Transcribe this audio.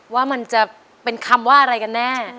ว่ามันจะเป็นคำว่าอะไรกันแน่